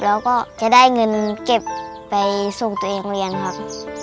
แล้วก็จะได้เงินเก็บไปส่งตัวเองเรียนครับ